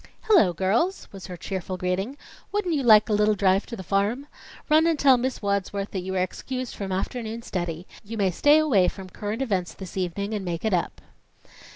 "Hello, girls!" was her cheerful greeting. "Wouldn't you like a little drive to the farm? Run and tell Miss Wadsworth that you are excused from afternoon study. You may stay away from Current Events this evening, and make it up."